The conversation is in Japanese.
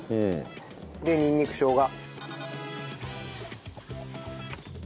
にんにくしょうが。